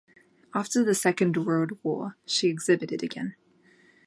After the Second World War she exhibited again.